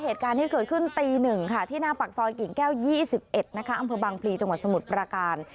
เหตุการณ์ที่เกิดขึ้นตี๑ค่ะที่หน้าปากซอยกิ่งแก้ว๒๑นะคะอำเภอบางพลีจังหวัดสมุทรประการ